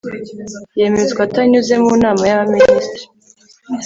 yemezwa atanyuze mu nama y abaminisitiri